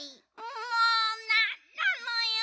もうなんなのよ！